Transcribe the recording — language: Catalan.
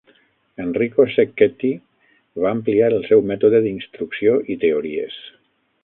Enrico Cecchetti va ampliar el seu mètode d'instrucció i teories.